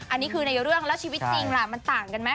อันนี้คือในเรื่องแล้วชีวิตจริงล่ะ